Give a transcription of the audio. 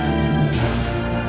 kamu gak akan bisa menemukan